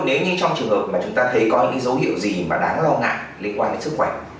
nếu như trong trường hợp mà chúng ta thấy có những dấu hiệu gì mà đáng lo ngại liên quan đến sức khỏe